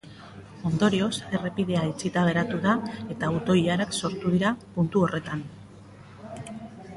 Ondorioz, errepidea itxita geratu da eta auto-ilarak sortu dira puntu horretan.